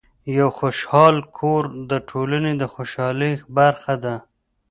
یو خوشحال کور د ټولنې د خوشحالۍ برخه ده.